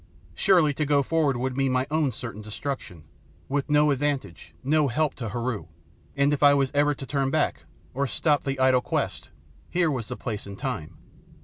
Surely to go forward would mean my own certain destruction, with no advantage, no help to Heru; and if I was ever to turn back or stop in the idle quest, here was the place and time.